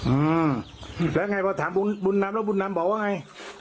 อ่าแล้วไงพอถามบุญบุญนำแล้วบุญนำบอกว่าไง